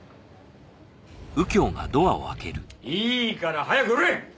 いいから早く売れ！